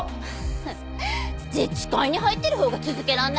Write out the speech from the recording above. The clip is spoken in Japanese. フンッ自治会に入ってるほうが続けられないわよ。